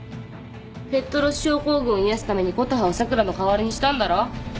ペットロス症候群を癒やすために琴葉を咲良の代わりにしたんだろ？